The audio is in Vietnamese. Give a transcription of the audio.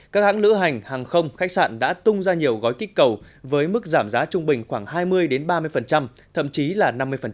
các hãng lữ hành hàng không khách sạn đã tung ra nhiều gói kích cầu với mức giảm giá trung bình khoảng hai mươi ba mươi thậm chí là năm mươi